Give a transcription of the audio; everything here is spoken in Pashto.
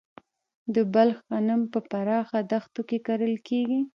د بلخ غنم په پراخه دښتو کې کرل کیږي.